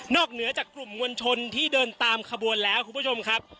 เหนือจากกลุ่มมวลชนที่เดินตามขบวนแล้วคุณผู้ชมครับ